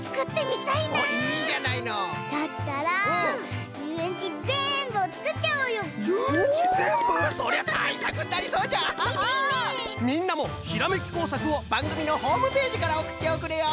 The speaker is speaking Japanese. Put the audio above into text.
みんなもひらめきこうさくをばんぐみのホームページからおくっておくれよ！